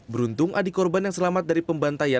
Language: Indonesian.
beruntung adik korban yang selamat dari pembantai